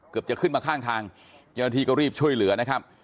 เกือบจะขึ้นมาข้างทางเดี๋ยวทีก็รีบช่วยเหลือนะครับ